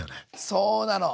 そうなの！